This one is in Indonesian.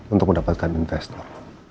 untuk mendapatkan investor